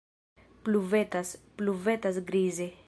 Pluvetas, pluvetas grize.